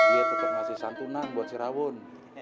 dia tetep ngasih santunan buat si rawun